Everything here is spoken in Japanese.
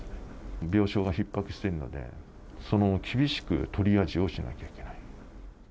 病床がひっ迫しているので、厳しくトリアージをしなきゃいけない。